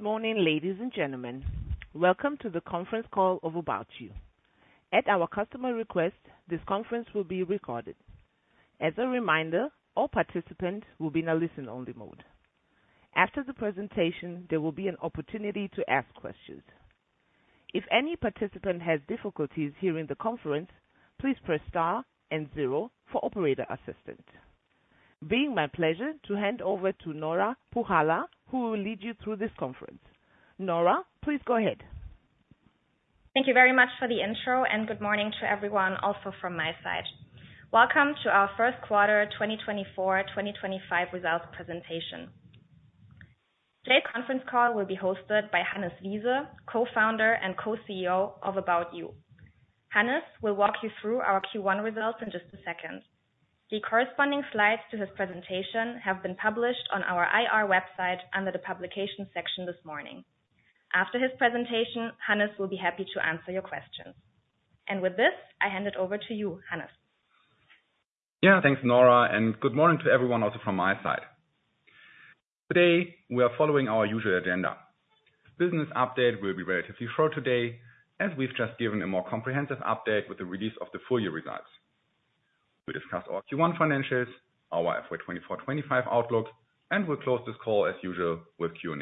Good morning, ladies and gentlemen. Welcome to the Conference Call of ABOUT YOU. At our customer request, this conference will be recorded. As a reminder, all participants will be in a listen-only mode. After the presentation, there will be an opportunity to ask questions. If any participant has difficulties hearing the conference, please press star and zero for operator assistance. It's my pleasure to hand over to Nora Puhala, who will lead you through this conference. Nora, please go ahead. Thank you very much for the intro, and good morning to everyone also from my side. Welcome to our Q1 2024-2025 Results Presentation. Today's conference call will be hosted by Hannes Wiese, Co-founder and Co-CEO of ABOUT YOU. Hannes will walk you through our Q1 results in just a second. The corresponding slides to his presentation have been published on our IR website under the publication section this morning. After his presentation, Hannes will be happy to answer your questions. With this, I hand it over to you, Hannes. Yeah, thanks, Nora. Good morning to everyone also from my side. Today, we are following our usual agenda. Business update will be relatively short today, as we've just given a more comprehensive update with the release of the full year results. We discussed our Q1 financials, our FY 2024-25 outlook, and we'll close this call as usual with Q&A.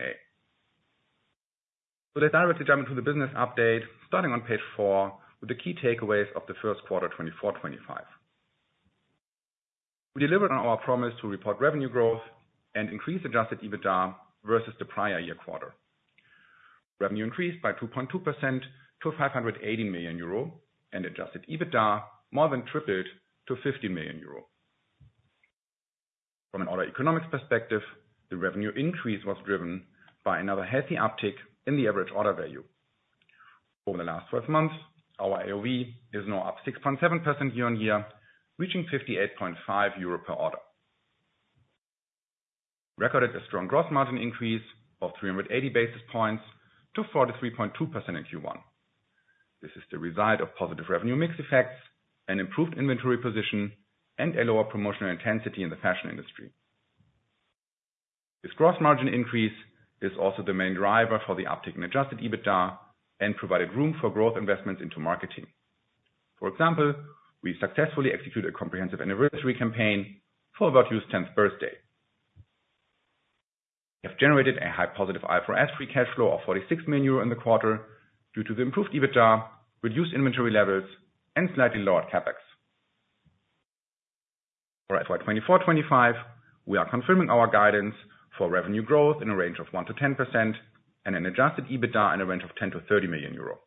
Let's directly jump into the business update, starting on page four with the key takeaways of the Q1 2024-25. We delivered on our promise to report revenue growth and increase Adjusted EBITDA versus the prior year quarter. Revenue increased by 2.2% to 580 million euro, and Adjusted EBITDA more than tripled to 15 million euro. From an order economics perspective, the revenue increase was driven by another healthy uptick in the average order value. Over the last 12 months, our AOV is now up 6.7% year-on-year, reaching 58.50 euro per order. Recorded a strong gross margin increase of 380 basis points to 43.2% in Q1. This is the result of positive revenue mix effects, an improved inventory position, and a lower promotional intensity in the fashion industry. This gross margin increase is also the main driver for the uptick in adjusted EBITDA and provided room for growth investments into marketing. For example, we successfully executed a comprehensive anniversary campaign for ABOUT YOU's 10th birthday. We have generated a high positive IFRS free cash flow of 46 million euro in the quarter due to the improved EBITDA, reduced inventory levels, and slightly lowered CapEx. For FY 2024-25, we are confirming our guidance for revenue growth in a range of 1%-10% and an adjusted EBITDA in a range of 10 million-30 million euro.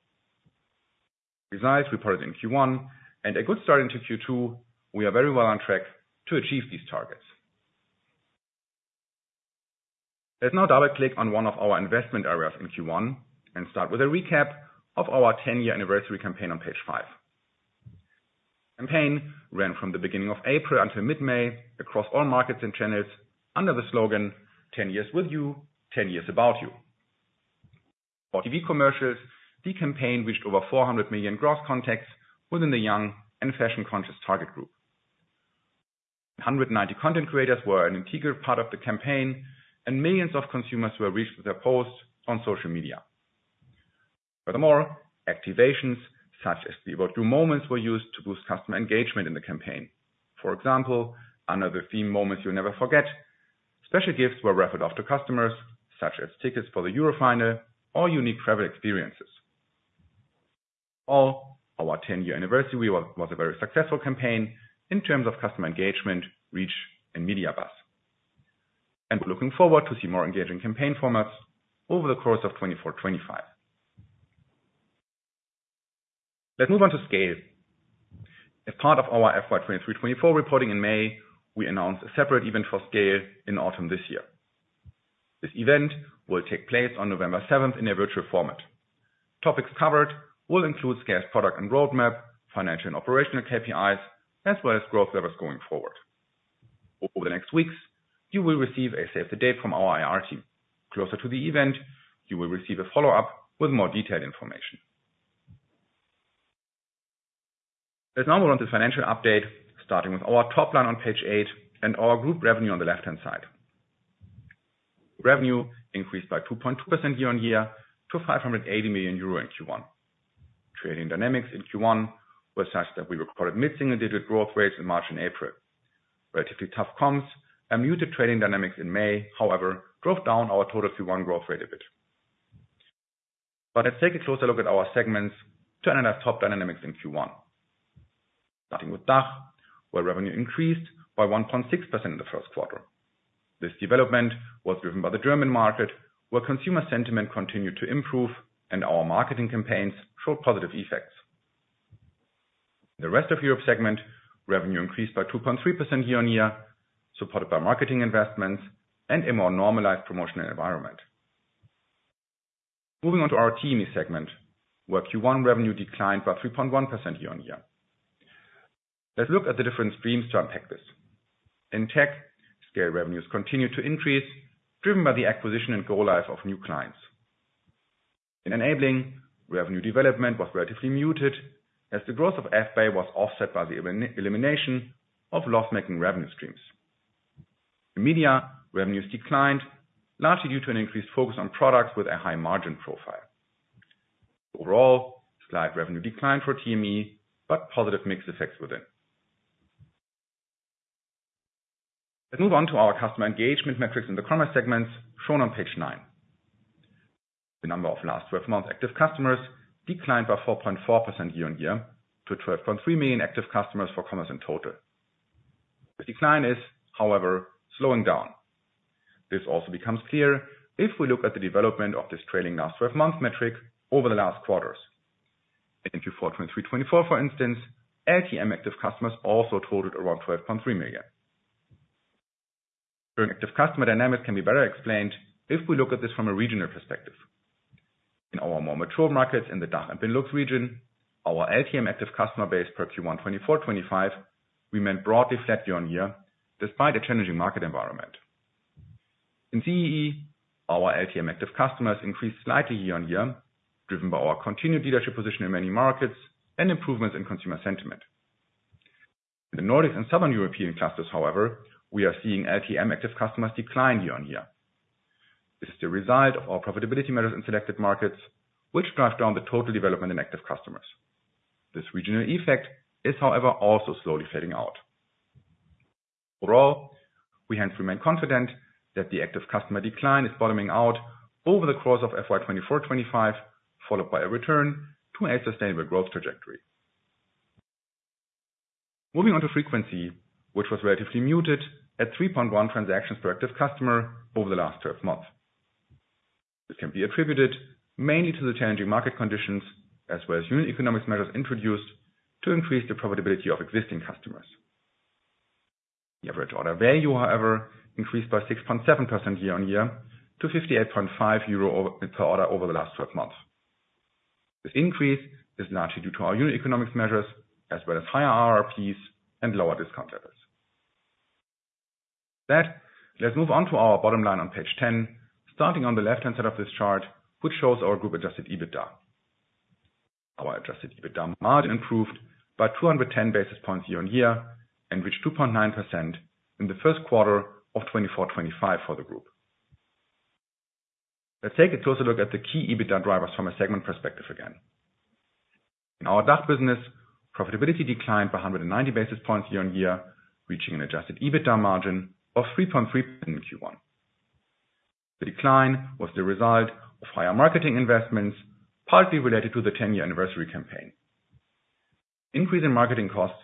Results reported in Q1 and a good start into Q2. We are very well on track to achieve these targets. Let's now double-click on one of our investment areas in Q1 and start with a recap of our 10-year anniversary campaign on page 5. The campaign ran from the beginning of April until mid-May across all markets and channels under the slogan, "10 years with you, 10 years ABOUT YOU." For TV commercials, the campaign reached over 400 million gross contacts within the young and fashion-conscious target group. 190 content creators were an integral part of the campaign, and millions of consumers were reached with their posts on social media. Furthermore, activations such as the ABOUT YOU Moments were used to boost customer engagement in the campaign. For example, under the theme "Moments You'll Never Forget," special gifts were offered to customers such as tickets for the Euro final or unique travel experiences. Overall, our 10-year anniversary was a very successful campaign in terms of customer engagement, reach, and media buzz. We're looking forward to seeing more engaging campaign formats over the course of 2024-25. Let's move on to SCAYLE. As part of our FY 2023-24 reporting in May, we announced a separate event for SCAYLE in autumn this year. This event will take place on November 7th in a virtual format. Topics covered will include SCAYLE's product and roadmap, financial and operational KPIs, as well as growth levels going forward. Over the next weeks, you will receive a save the date from our IR team. Closer to the event, you will receive a follow-up with more detailed information. Let's now move on to the financial update, starting with our top line on page 8 and our group revenue on the left-hand side. Revenue increased by 2.2% year-over-year to 580 million euro in Q1. Trading dynamics in Q1 were such that we recorded mid-single-digit growth rates in March and April. Relatively tough comps and muted trading dynamics in May, however, drove down our total Q1 growth rate a bit. Let's take a closer look at our segments to analyze top dynamics in Q1. Starting with DACH, where revenue increased by 1.6% in the Q1. This development was driven by the German market, where consumer sentiment continued to improve and our marketing campaigns showed positive effects. In the Rest of Europe segment, revenue increased by 2.3% year-over-year, supported by marketing investments and a more normalized promotional environment. Moving on to our TME segment, where Q1 revenue declined by 3.1% year-over-year. Let's look at the different streams to unpack this. In tech, SCAYLE revenues continued to increase, driven by the acquisition and go-live of new clients. In enabling, revenue development was relatively muted as the growth of FbAY was offset by the elimination of loss-making revenue streams. In media, revenues declined, largely due to an increased focus on products with a high margin profile. Overall, revenue declined for TME, but positive mix effects within. Let's move on to our customer engagement metrics in the commerce segments shown on page 9. The number of last 12 months' active customers declined by 4.4% year-over-year to 12.3 million active customers for commerce in total. This decline is, however, slowing down. This also becomes clear if we look at the development of this trailing last 12 months metric over the last quarters. In Q4 2023-2024, for instance, LTM active customers also totaled around 12.3 million. Active customer dynamics can be better explained if we look at this from a regional perspective. In our more mature markets in the DACH and Benelux region, our LTM active customer base per Q1 2024-2025 remained broadly flat year-over-year despite a changing market environment. In CEE, our LTM active customers increased slightly year-over-year, driven by our continued leadership position in many markets and improvements in consumer sentiment. In the Nordic and Southern European clusters, however, we are seeing LTM active customers decline year-over-year. This is the result of our profitability measures in selected markets, which drive down the total development in active customers. This regional effect is, however, also slowly fading out. Overall, we hence remain confident that the active customer decline is bottoming out over the course of FY 2024-25, followed by a return to a sustainable growth trajectory. Moving on to frequency, which was relatively muted at 3.1 transactions per active customer over the last 12 months. This can be attributed mainly to the challenging market conditions, as well as unit economics measures introduced to increase the profitability of existing customers. The average order value, however, increased by 6.7% year on year to 58.50 euro per order over the last 12 months. This increase is largely due to our unit economics measures, as well as higher RRPs and lower discount levels. With that, let's move on to our bottom line on page 10, starting on the left-hand side of this chart, which shows our group Adjusted EBITDA. Our adjusted EBITDA margin improved by 210 basis points year-over-year and reached 2.9% in the Q1 of 2024-25 for the group. Let's take a closer look at the key EBITDA drivers from a segment perspective again. In our DACH business, profitability declined by 190 basis points year-over-year, reaching an adjusted EBITDA margin of 3.3% in Q1. The decline was the result of higher marketing investments, partly related to the 10-year anniversary campaign. Increase in marketing costs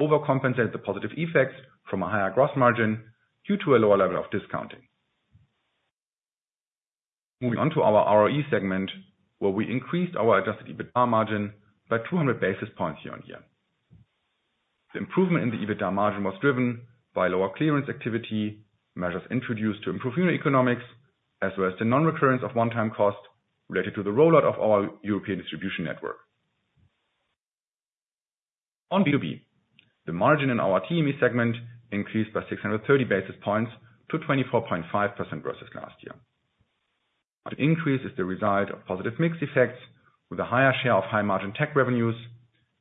overcompensated the positive effects from a higher gross margin due to a lower level of discounting. Moving on to our RoE segment, where we increased our adjusted EBITDA margin by 200 basis points year-over-year. The improvement in the EBITDA margin was driven by lower clearance activity, measures introduced to improve unit economics, as well as the non-recurrence of one-time costs related to the rollout of our European distribution network. On B2B, the margin in our TME segment increased by 630 basis points to 24.5% versus last year. The increase is the result of positive mix effects with a higher share of high-margin tech revenues,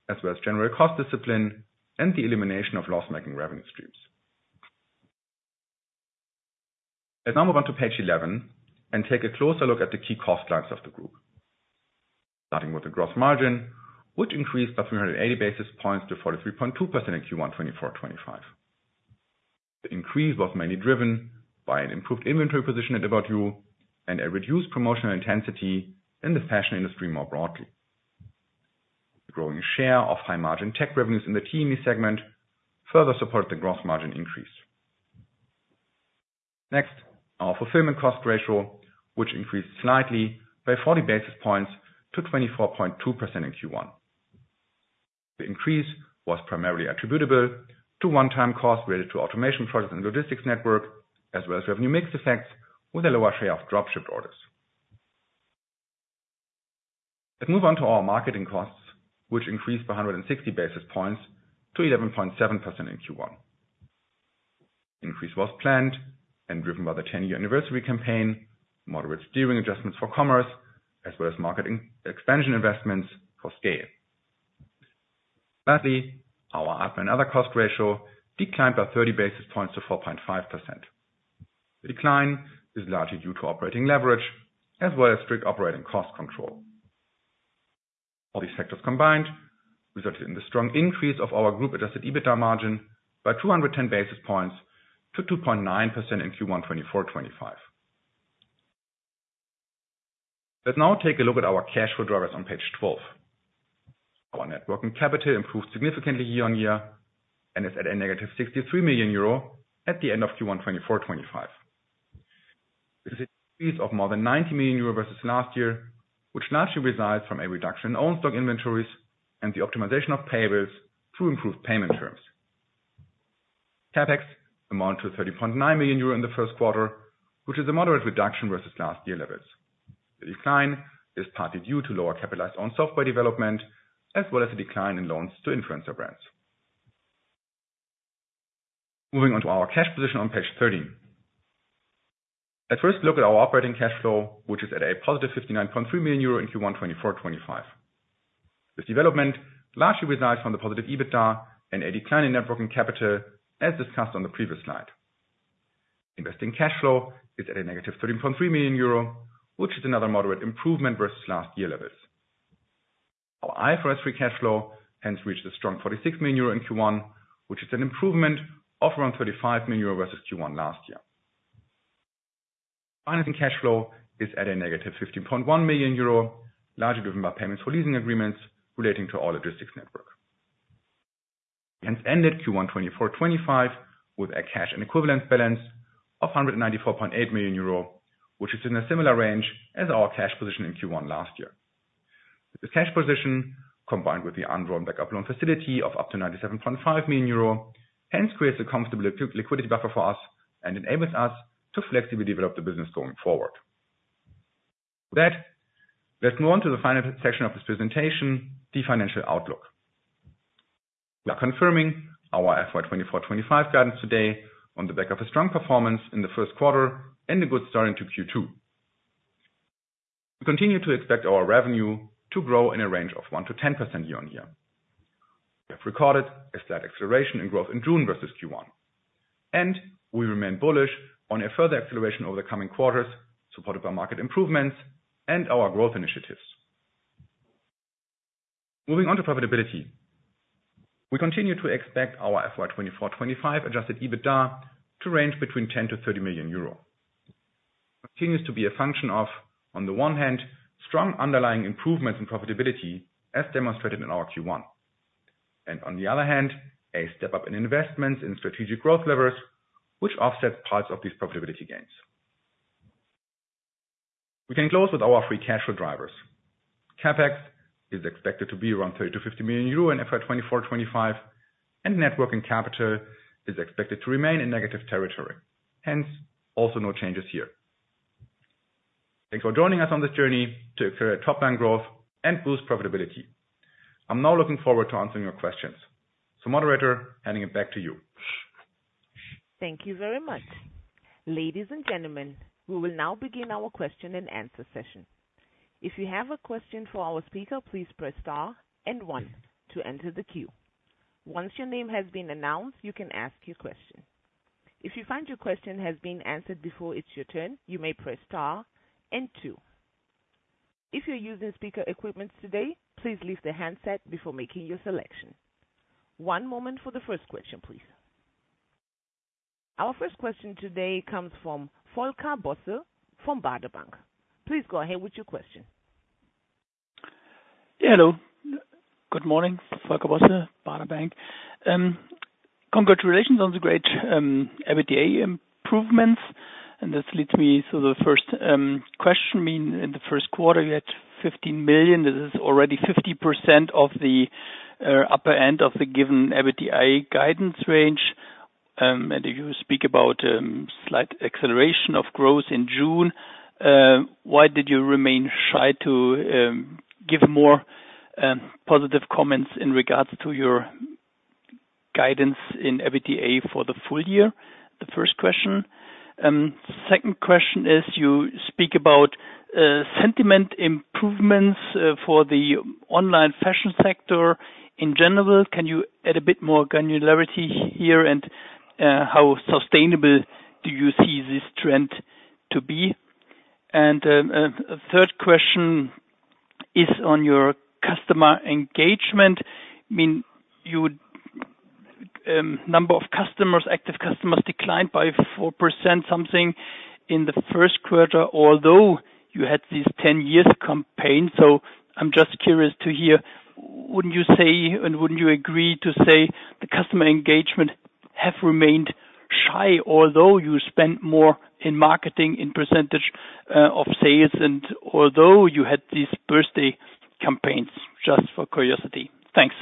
as well as general cost discipline and the elimination of loss-making revenue streams. Let's now move on to page 11 and take a closer look at the key cost lines of the group. Starting with the gross margin, which increased by 380 basis points to 43.2% in Q1 2024-25. The increase was mainly driven by an improved inventory position at ABOUT YOU and a reduced promotional intensity in the fashion industry more broadly. The growing share of high-margin tech revenues in the TME segment further supported the gross margin increase. Next, our fulfillment cost ratio, which increased slightly by 40 basis points to 24.2% in Q1. The increase was primarily attributable to one-time costs related to automation projects and logistics network, as well as revenue mix effects with a lower share of dropship orders. Let's move on to our marketing costs, which increased by 160 basis points to 11.7% in Q1. The increase was planned and driven by the 10-year anniversary campaign, moderate steering adjustments for commerce, as well as marketing expansion investments for SCAYLE. Lastly, our admin and other cost ratio declined by 30 basis points to 4.5%. The decline is largely due to operating leverage, as well as strict operating cost control. All these factors combined resulted in the strong increase of our group Adjusted EBITDA margin by 210 basis points to 2.9% in Q1 2024-25. Let's now take a look at our cash flow drivers on page 12. Our net working capital improved significantly year-on-year and is at a negative 63 million euro at the end of Q1 2024-25. This is an increase of more than 90 million euro versus last year, which largely arises from a reduction in own stock inventories and the optimization of payables through improved payment terms. CapEx amounted to 30.9 million euro in the Q1, which is a moderate reduction versus last year levels. The decline is partly due to lower capitalized own software development, as well as a decline in loans to influencer brands. Moving on to our cash position on page 13. Let's first look at our operating cash flow, which is at a positive 59.3 million euro in Q1 2024-25. This development largely results from the positive EBITDA and a decline in working capital, as discussed on the previous slide. Investing cash flow is at a negative 30.3 million euro, which is another moderate improvement versus last year levels. Our IFRS free cash flow hence reached a strong 46 million euro in Q1, which is an improvement of around 35 million euro versus Q1 last year. Financing cash flow is at a negative 15.1 million euro, largely driven by payments for leasing agreements relating to our logistics network. We hence ended Q1 2024-25 with a cash and equivalents balance of 194.8 million euro, which is in a similar range as our cash position in Q1 last year. This cash position, combined with the undrawn backup loan facility of up to 97.5 million euro, hence creates a comfortable liquidity buffer for us and enables us to flexibly develop the business going forward. With that, let's move on to the final section of this presentation, the financial outlook. We are confirming our FY 2024-25 guidance today on the back of a strong performance in the Q1 and a good start into Q2. We continue to expect our revenue to grow in a range of 1%-10% year-over-year. We have recorded a slight acceleration in growth in June versus Q1, and we remain bullish on a further acceleration over the coming quarters, supported by market improvements and our growth initiatives. Moving on to profitability, we continue to expect our FY 2024-25 Adjusted EBITDA to range between 10 million-30 million euro. It continues to be a function of, on the one hand, strong underlying improvements in profitability, as demonstrated in our Q1, and on the other hand, a step-up in investments in strategic growth levers, which offsets parts of these profitability gains. We can close with our free cash flow drivers. CapEx is expected to be around 30 million-50 million euro in FY 2024-25, and net working capital is expected to remain in negative territory. Hence, also no changes here. Thanks for joining us on this journey to accrue top-line growth and boost profitability. I'm now looking forward to answering your questions. So, Moderator, handing it back to you. Thank you very much. Ladies and gentlemen, we will now begin our question and answer session. If you have a question for our speaker, please press star and one to enter the queue. Once your name has been announced, you can ask your question. If you find your question has been answered before it's your turn, you may press star and two. If you're using speaker equipment today, please leave the handset before making your selection. One moment for the first question, please. Our first question today comes from Volker Bosse, from Baader Bank. Please go ahead with your question. Yeah, hello. Good morning, Volker Bosse, Baader Bank. Congratulations on the great EBITDA improvements. This leads me to the first question. In the Q1, you had 15 million. This is already 50% of the upper end of the given EBITDA guidance range. If you speak about a slight acceleration of growth in June, why did you remain shy to give more positive comments in regards to your guidance in EBITDA for the full year? The first question. Second question is, you speak about sentiment improvements for the online fashion sector in general. Can you add a bit more granularity here? And how sustainable do you see this trend to be? And the third question is on your customer engagement. I mean, your number of customers, active customers, declined by 4% something in the Q1, although you had this 10-year campaign. So I'm just curious to hear, wouldn't you say, and wouldn't you agree to say, the customer engagement has remained shy, although you spent more in marketing in percentage of sales, and although you had these birthday campaigns, just for curiosity? Thanks.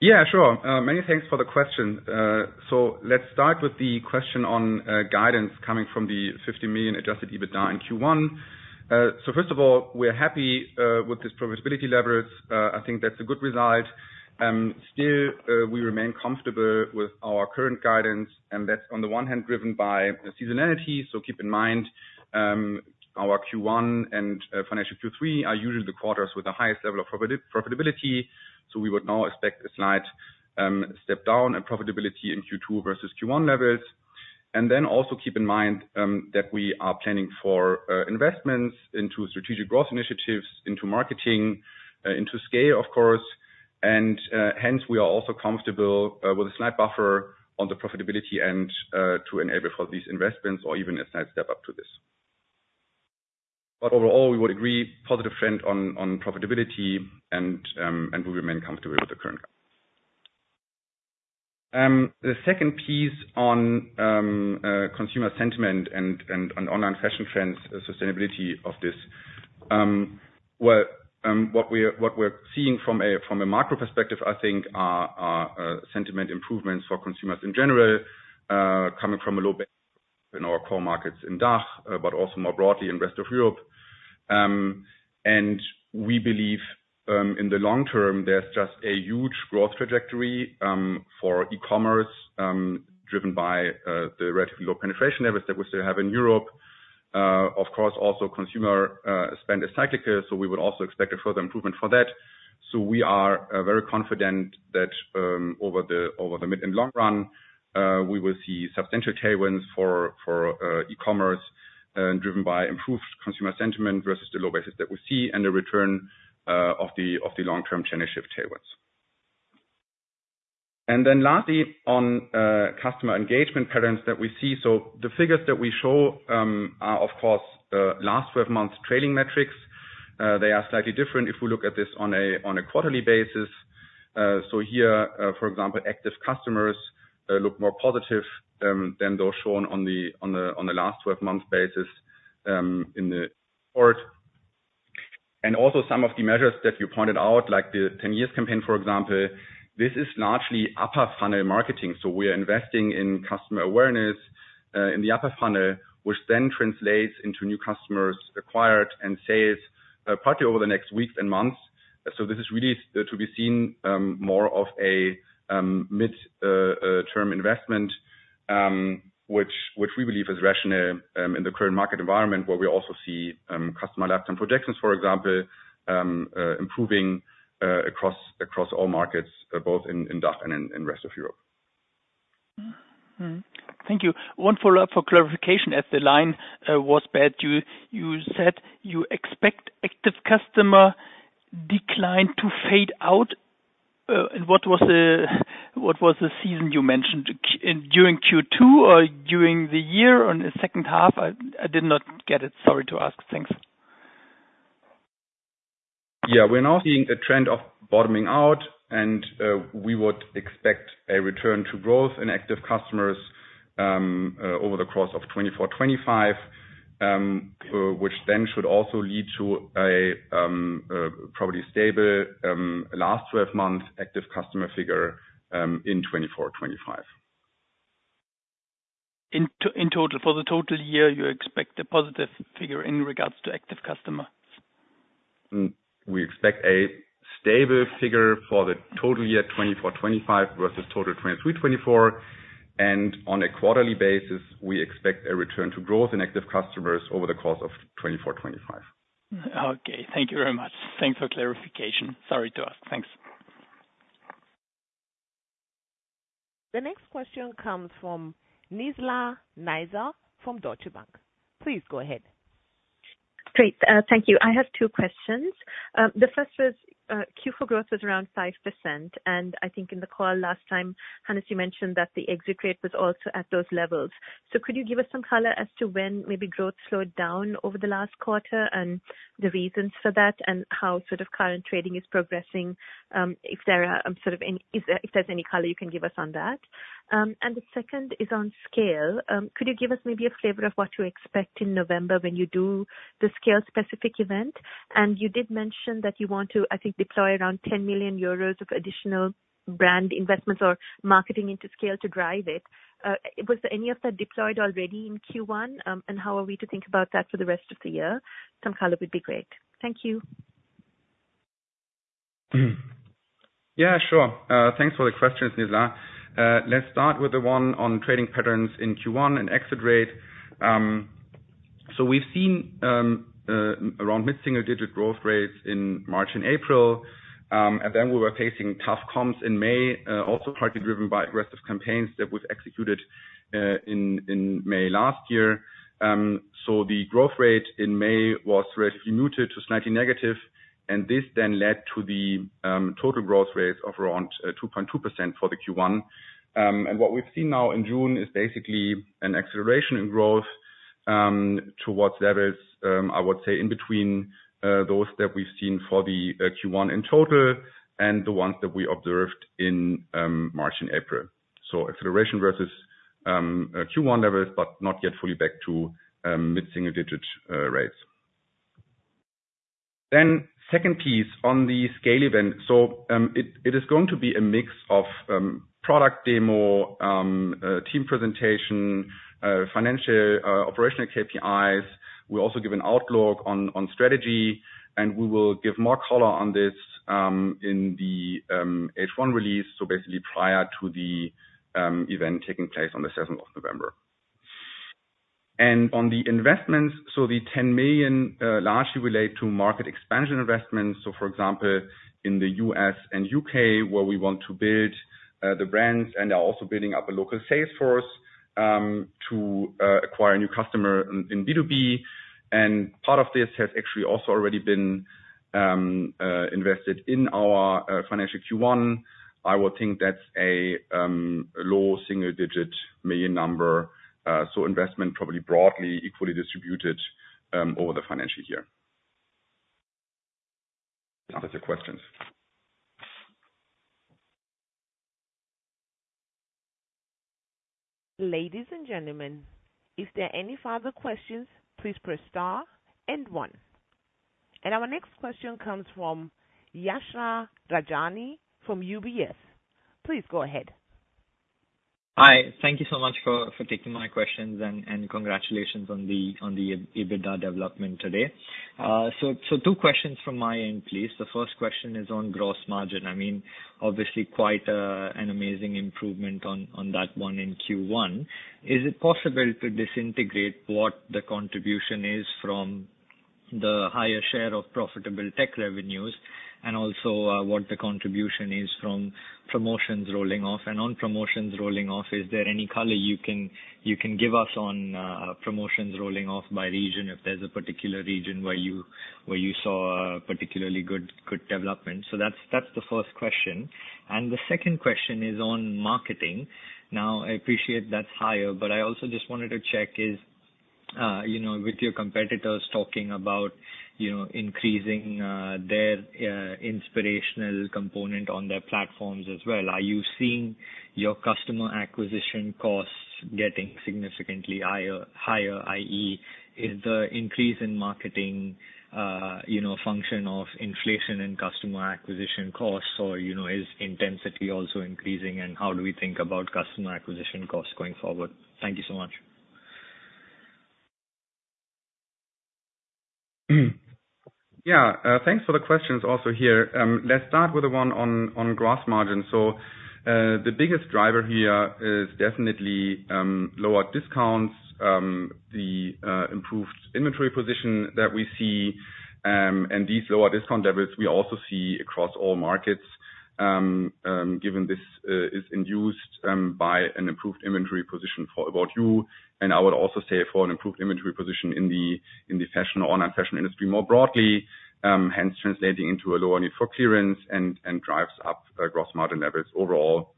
Yeah, sure. Many thanks for the question. So let's start with the question on guidance coming from the 50 million Adjusted EBITDA in Q1. So first of all, we're happy with this profitability leverage. I think that's a good result. Still, we remain comfortable with our current guidance, and that's on the one hand driven by seasonality. So keep in mind, our Q1 and financial Q3 are usually the quarters with the highest level of profitability. So we would now expect a slight step down in profitability in Q2 versus Q1 levels. And then also keep in mind that we are planning for investments into strategic growth initiatives, into marketing, into scale, of course. And hence, we are also comfortable with a slight buffer on the profitability end to enable for these investments or even a slight step up to this. But overall, we would agree positive trend on profitability, and we remain comfortable with the current guidance. The second piece on consumer sentiment and online fashion trends, sustainability of this, well, what we're seeing from a macro perspective, I think, are sentiment improvements for consumers in general, coming from a low base in our core markets in DACH, but also more broadly in the rest of Europe. We believe in the long term, there's just a huge growth trajectory for e-commerce driven by the relatively low penetration levels that we still have in Europe. Of course, also consumer spend is cyclical, so we would also expect a further improvement for that. We are very confident that over the mid and long run, we will see substantial tailwinds for e-commerce driven by improved consumer sentiment versus the low base that we see and the return of the long-term chain of shift tailwinds. Then lastly, on customer engagement patterns that we see, so the figures that we show are, of course, last 12 months' trailing metrics. They are slightly different if we look at this on a quarterly basis. So here, for example, active customers look more positive than those shown on the last 12-month basis in the report. And also some of the measures that you pointed out, like the 10-year campaign, for example, this is largely upper-funnel marketing. So we are investing in customer awareness in the upper funnel, which then translates into new customers acquired and sales partly over the next weeks and months. So this is really to be seen more of a mid-term investment, which we believe is rational in the current market environment, where we also see customer lifetime projections, for example, improving across all markets, both in DACH and in the rest of Europe. Thank you. One follow-up for clarification as the line was bad. You said you expect active customer decline to fade out. What was the season you mentioned? During Q2 or during the year or in the H2? I did not get it. Sorry to ask. Thanks. Yeah, we're now seeing a trend of bottoming out, and we would expect a return to growth in active customers over the course of 2024-2025, which then should also lead to a probably stable last 12-month active customer figure in 2024-2025. In total, for the total year, you expect a positive figure in regards to active customers? We expect a stable figure for the total year 2024-2025 versus total 2023-2024. And on a quarterly basis, we expect a return to growth in active customers over the course of 2024-2025. Okay. Thank you very much. Thanks for clarification. Sorry to ask. Thanks. The next question comes from Nizla Naizer from Deutsche Bank. Please go ahead. Great. Thank you. I have two questions. The first was Q4 growth was around 5%. And I think in the call last time, Hannes, you mentioned that the exit rate was also at those levels. So could you give us some color as to when maybe growth slowed down over the last quarter and the reasons for that and how sort of current trading is progressing? If there's any color you can give us on that. And the second is on SCAYLE. Could you give us maybe a flavor of what you expect in November when you do the SCAYLE-specific event? And you did mention that you want to, I think, deploy around 10 million euros of additional brand investments or marketing into SCAYLE to drive it. Was any of that deployed already in Q1? And how are we to think about that for the rest of the year? Some color would be great. Thank you. Yeah, sure. Thanks for the questions, Nizla. Let's start with the one on trading patterns in Q1 and exit rate. So we've seen around mid-single-digit growth rates in March and April. And then we were facing tough comps in May, also partly driven by aggressive campaigns that we've executed in May last year. So the growth rate in May was relatively muted to slightly negative. And this then led to the total growth rates of around 2.2% for the Q1. And what we've seen now in June is basically an acceleration in growth towards levels, I would say, in between those that we've seen for the Q1 in total and the ones that we observed in March and April. So acceleration versus Q1 levels, but not yet fully back to mid-single-digit rates. Then second piece on the SCAYLE event. So it is going to be a mix of product demo, team presentation, financial operational KPIs. We also give an outlook on strategy. And we will give more color on this in the H1 release, so basically prior to the event taking place on the 7th of November. And on the investments, so the 10 million largely relate to market expansion investments. So for example, in the US and UK, where we want to build the brands and are also building up a local sales force to acquire a new customer in B2B. And part of this has actually also already been invested in our financial Q1. I would think that's a low single-digit million number. So investment probably broadly equally distributed over the financial year. If there's a question. Ladies and gentlemen, if there are any further questions, please press star and one. Our next question comes from Yashraj Rajani from UBS. Please go ahead. Hi. Thank you so much for taking my questions and congratulations on the EBITDA development today. So two questions from my end, please. The first question is on gross margin. I mean, obviously, quite an amazing improvement on that one in Q1. Is it possible to disaggregate what the contribution is from the higher share of profitable tech revenues and also what the contribution is from promotions rolling off? And on promotions rolling off, is there any color you can give us on promotions rolling off by region if there's a particular region where you saw a particularly good development? So that's the first question. And the second question is on marketing. Now, I appreciate that's higher, but I also just wanted to check with your competitors talking about increasing their inspirational component on their platforms as well. Are you seeing your customer acquisition costs getting significantly higher, i.e., is the increase in marketing a function of inflation in customer acquisition costs, or is intensity also increasing, and how do we think about customer acquisition costs going forward? Thank you so much. Yeah. Thanks for the questions also here. Let's start with the one on gross margin. So the biggest driver here is definitely lower discounts, the improved inventory position that we see, and these lower discount levels we also see across all markets, given this is induced by an improved inventory position for ABOUT YOU. I would also say for an improved inventory position in the fashion or non-fashion industry more broadly, hence translating into a lower need for clearance and drives up gross margin levels overall.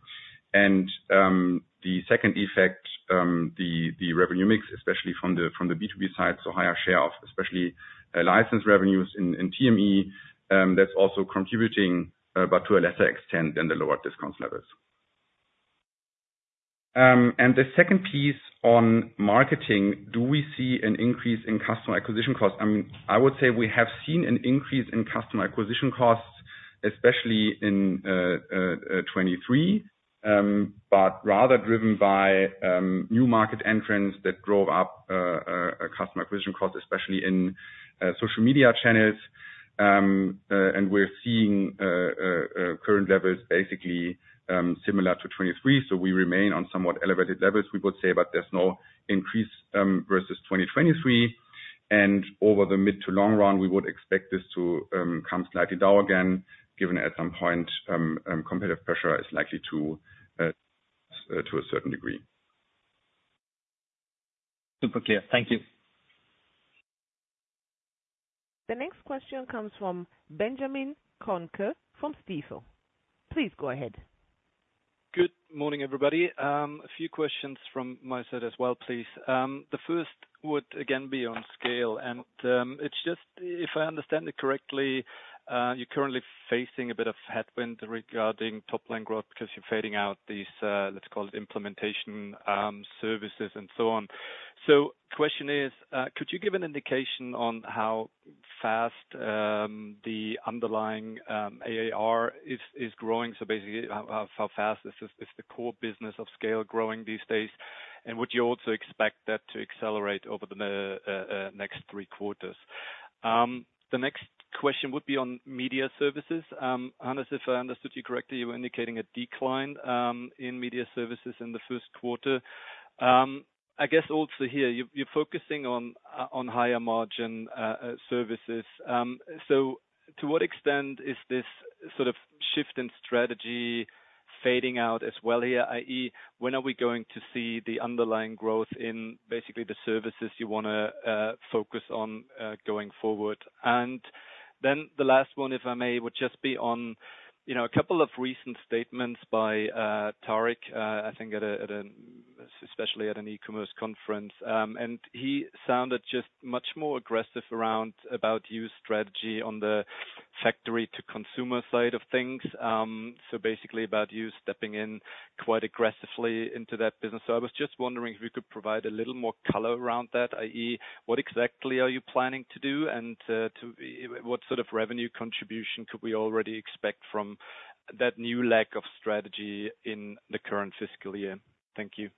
The second effect, the revenue mix, especially from the B2B side, so higher share of especially licensed revenues in TME, that's also contributing, but to a lesser extent than the lower discount levels. The second piece on marketing, do we see an increase in customer acquisition costs? I mean, I would say we have seen an increase in customer acquisition costs, especially in 2023, but rather driven by new market entrants that drove up customer acquisition costs, especially in social media channels. We're seeing current levels basically similar to 2023. So we remain on somewhat elevated levels, we would say, but there's no increase versus 2023. Over the mid- to long run, we would expect this to come slightly down again, given at some point competitive pressure is likely to a certain degree. Super clear. Thank you. The next question comes from Benjamin Kohnke from Stifel. Please go ahead. Good morning, everybody. A few questions from my side as well, please. The first would again be on SCAYLE. And it's just, if I understand it correctly, you're currently facing a bit of headwind regarding top-line growth because you're fading out these, let's call it, implementation services and so on. So the question is, could you give an indication on how fast the underlying ARR is growing? So basically, how fast is the core business of SCAYLE growing these days? And would you also expect that to accelerate over the next three quarters? The next question would be on media services. Hannes, if I understood you correctly, you were indicating a decline in media services in the Q1. I guess also here, you're focusing on higher margin services. So to what extent is this sort of shift in strategy fading out as well here, i.e., when are we going to see the underlying growth in basically the services you want to focus on going forward? And then the last one, if I may, would just be on a couple of recent statements by Tarek, I think, especially at an e-commerce conference. And he sounded just much more aggressive about your strategy on the manufacturer-to-consumer side of things. So basically ABOUT YOU stepping in quite aggressively into that business. So I was just wondering if you could provide a little more color around that, i.e., what exactly are you planning to do and what sort of revenue contribution could we already expect from that new lack of strategy in the current fiscal year? Thank you.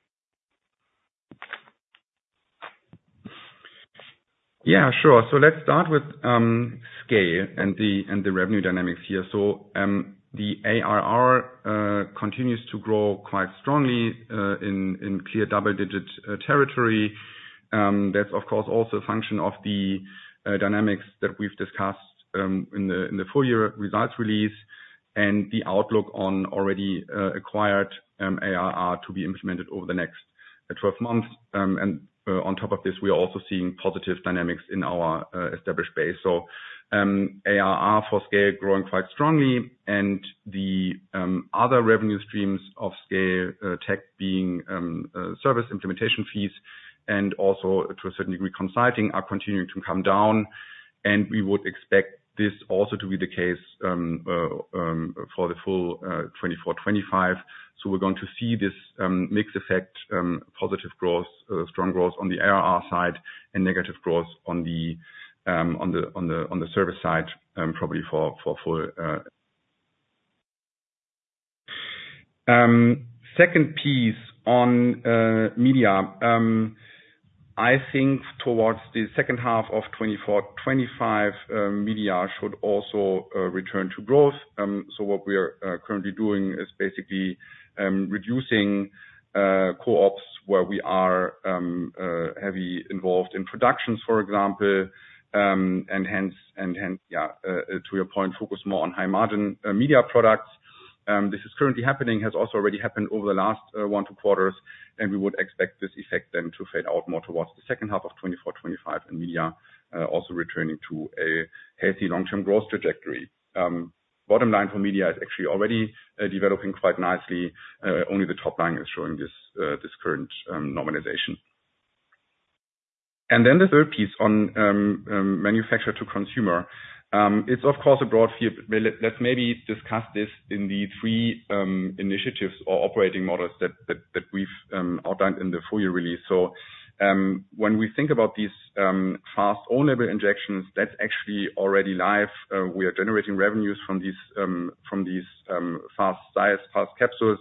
Yeah, sure. So let's start with SCAYLE and the revenue dynamics here. So the ARR continues to grow quite strongly in clear double-digit territory. That's, of course, also a function of the dynamics that we've discussed in the full-year results release and the outlook on already acquired ARR to be implemented over the next 12 months. And on top of this, we are also seeing positive dynamics in our established base. So ARR for SCAYLE growing quite strongly and the other revenue streams of SCAYLE tech being service implementation fees and also to a certain degree consulting are continuing to come down. We would expect this also to be the case for the full 2024-2025. So we're going to see this mixed effect, positive growth, strong growth on the ARR side and negative growth on the service side probably for full. Second piece on media. I think towards the H2 of 2024-2025, media should also return to growth. So what we are currently doing is basically reducing co-ops where we are heavily involved in productions, for example, and hence, yeah, to your point, focus more on high-margin media products. This is currently happening, has also already happened over the last one to two quarters. And we would expect this effect then to fade out more towards the H2 of 2024-2025 and media also returning to a healthy long-term growth trajectory. Bottom line for media is actually already developing quite nicely. Only the top line is showing this current normalization. And then the third piece on manufacture to consumer. It's, of course, a broad field. Let's maybe discuss this in the three initiatives or operating models that we've outlined in the full-year release. So when we think about these fast own-label injections, that's actually already live. We are generating revenues from these fast styles, fast capsules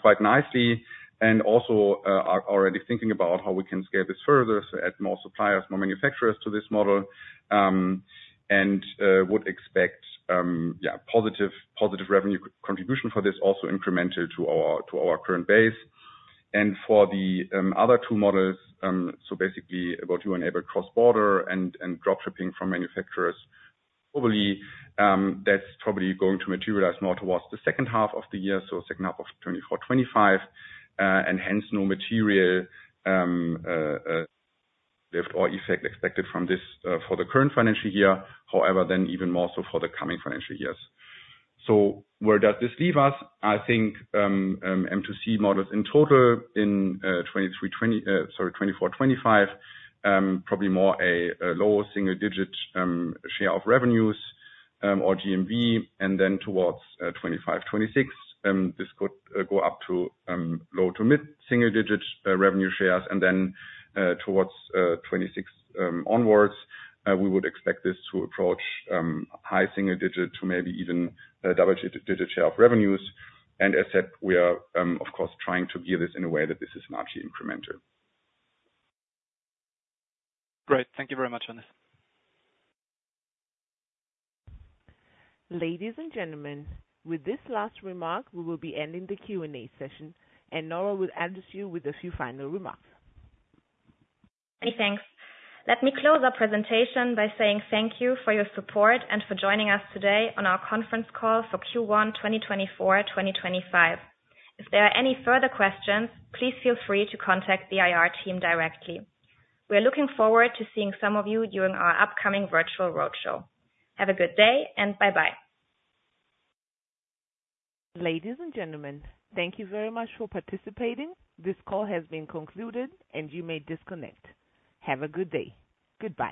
quite nicely and also already thinking about how we can scale this further to add more suppliers, more manufacturers to this model and would expect, yeah, positive revenue contribution for this also incremental to our current base. And for the other two models, so basically ABOUT YOU enabled cross-border and dropshipping from manufacturers, probably that's going to materialize more towards the H2 of the year, so H2 of 2024-2025, and hence no material lift or effect expected from this for the current financial year, however, then even more so for the coming financial years. So where does this leave us? I think M2C models in total in 2024-2025, probably more a low single-digit share of revenues or GMV. And then towards 2025-2026, this could go up to low to mid single-digit revenue shares. And then towards 2026 onwards, we would expect this to approach high single-digit to maybe even double-digit share of revenues. And as said, we are, of course, trying to gear this in a way that this is largely incremental. Great. Thank you very much, Hannes. Ladies and gentlemen, with this last remark, we will be ending the Q&A session. Nora will address you with a few final remarks. Thanks. Let me close our presentation by saying thank you for your support and for joining us today on our conference call for Q1 2024-2025. If there are any further questions, please feel free to contact the IR team directly. We are looking forward to seeing some of you during our upcoming virtual roadshow. Have a good day and bye-bye. Ladies and gentlemen, thank you very much for participating. This call has been concluded and you may disconnect. Have a good day. Goodbye.